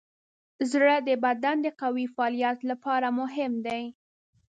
زړه د بدن د قوي فعالیت لپاره مهم دی.